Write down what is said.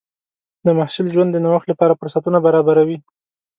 د محصل ژوند د نوښت لپاره فرصتونه برابروي.